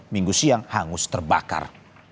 minggu siang hangus terbakar